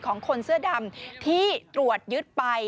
ของคนเสื้อดำที่ตรวจยึดไป